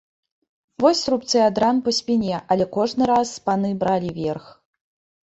Вось рубцы ад ран па спіне, але кожны раз паны бралі верх.